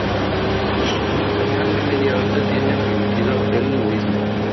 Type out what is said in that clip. La ocupación es media-alta y tiene permitido el nudismo.